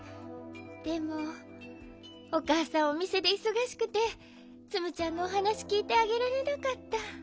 でもおかあさんおみせでいそがしくてツムちゃんのおはなしきいてあげられなかった。